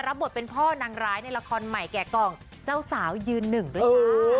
รับบทเป็นพ่อนางร้ายในละครใหม่แก่กล่องเจ้าสาวยืนหนึ่งด้วยจ้า